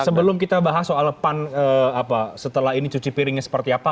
sebelum kita bahas soal pan setelah ini cuci piringnya seperti apa